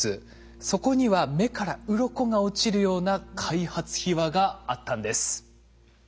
そこには目からうろこが落ちるような開発秘話があったんです。